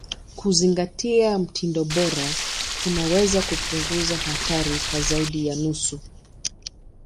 Kuzingatia mtindo bora kunaweza kupunguza hatari kwa zaidi ya nusu.